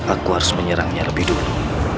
aku harus menyerangnya lebih dulu